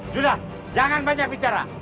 juna jangan banyak bicara